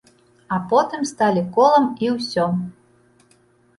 А потым сталі колам і ўсё.